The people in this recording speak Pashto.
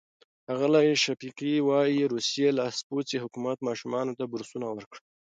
ښاغلی شفیقي وايي، روسي لاسپوڅي حکومت ماشومانو ته بورسونه ورکړل.